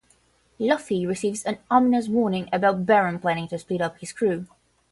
Luffy receives an ominous warning about Baron planning to split up his crew.